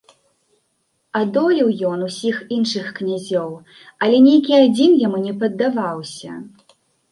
Адолеў ён усіх іншых князёў, але нейкі адзін яму не паддаваўся.